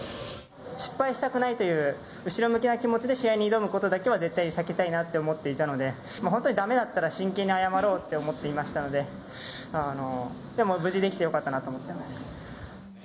失敗したくないという後ろ向きな気持ちで試合に挑むことだけは絶対に避けたいなと思っていたので、本当にだめだったら真剣に謝ろうって思っていましたので、でも無事にできてよかったなと思っています。